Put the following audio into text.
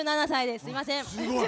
すいません。